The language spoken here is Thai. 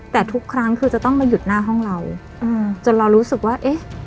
แต่ทุกครั้งคือจะต้องมาหยุดหน้าห้องเราจนเรารู้สึกว่าเอ๊ะ